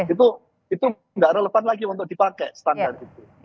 itu tidak relevan lagi untuk dipakai standar itu